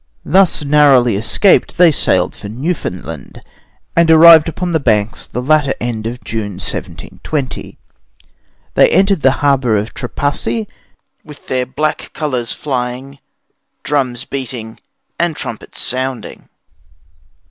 Thus narrowly escaped, they sailed for Newfoundland, and arrived upon the banks the latter end of June, 1720. They entered the harbor of Trepassi with their black colors flying, drums beating, and trumpets sounding.